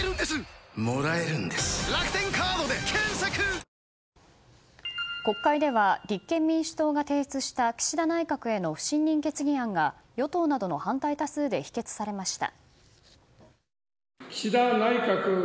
中国会では立憲民主党が提出した岸田内閣への不信任決議案が与党などの反対多数で否決されました。